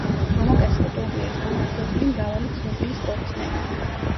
მამაკაცთა ტურნირის გამარჯვებული მრავალი ცნობილი სპორტსმენია.